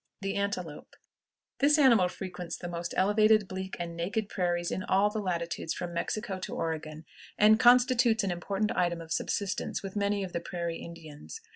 THE ANTELOPE. This animal frequents the most elevated bleak and naked prairies in all latitudes from Mexico to Oregon, and constitutes an important item of subsistence with many of the Prairie Indians.